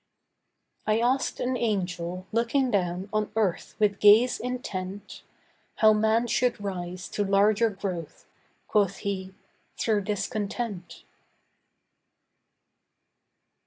I asked an Angel, looking down on earth with gaze intent, How man should rise to larger growth. Quoth he, 'Through discontent.